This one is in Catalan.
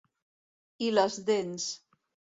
I les dents.